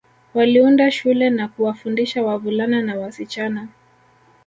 Waliunda shule na kuwafundisha wavulana na wasichana